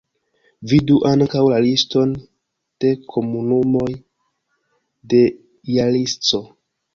Vidu ankaŭ la liston de komunumoj de Jalisco.